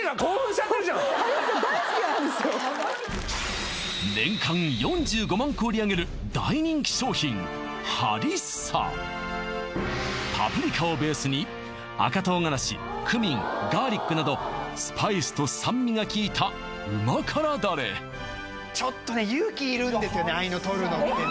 ハリッサ大好きなんですよハリッサパプリカをベースに赤唐辛子クミンガーリックなどスパイスと酸味が効いた旨辛だれちょっとね勇気いるんですよねああいうの取るのってね